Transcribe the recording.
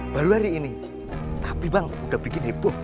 baru hari ini tapi bang udah bikin heboh